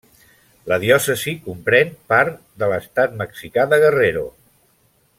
La diòcesi comprèn part l'estat mexicà de Guerrero.